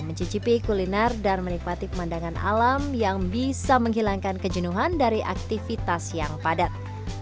mencicipi kuliner dan menikmati pemandangan alam yang bisa menghilangkan kejenuhan dari aktivitas yang padat